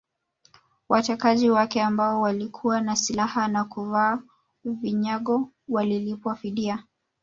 Watekaji wake ambao walikuwa na silaha na kuvaa vinyago walilipwa fidia